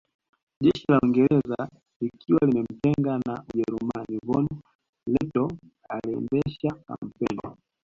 Jeshi la Uingereza likiwa limemtenga na Ujerumani von Lettow aliendesha kampeni